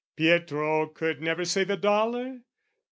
Pietro could never save a dollar?